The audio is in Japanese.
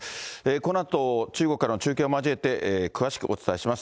このあと、中国からの中継を交えて詳しくお伝えします。